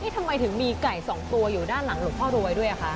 ทำไมถึงมีไก่๒ตัวอยู่ด้านหลังหลวงพ่อรวยด้วยคะ